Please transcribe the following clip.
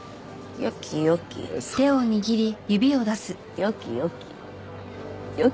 よきよき？